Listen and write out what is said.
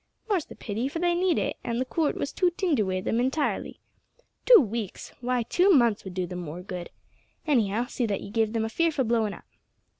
"More's the pity, for they need it, an' the Coort was too tinder wi' them intirely. Two weeks! why, two months would do them more good. Anyhow, see that ye give them a fearful blowin' up."